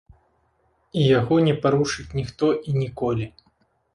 І яго не парушыць ніхто і ніколі.